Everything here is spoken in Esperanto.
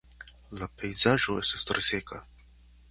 La pejzaĝo estas tre seka.